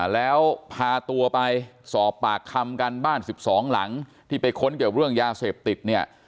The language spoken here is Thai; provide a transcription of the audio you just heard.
แล้วพาตัวไปสอบปากคำกันบ้าน๑๒หลังที่ไปค้นเกี่ยวเรื่องยาเสพติดเนี่ย